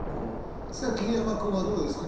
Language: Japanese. さあ桐山君はどうですか？